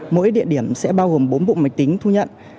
mỗi địa điểm sẽ bao gồm bốn bộ máy tính thu nhận